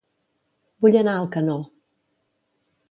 Vull anar a Alcanó